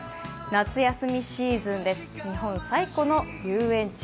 夏休みシーズンです、日本最古の遊園地。